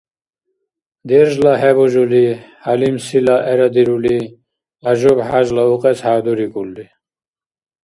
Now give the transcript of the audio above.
– Держлара хӀебужули, хӀялимсила гӀерра дирули, Ажуб хӀяжли укьес хӀядурикӀулри.